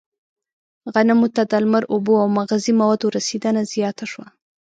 غنمو ته د لمر، اوبو او مغذي موادو رسېدنه زیاته شوه.